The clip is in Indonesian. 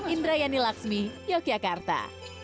indrayani lakshmi yogyakarta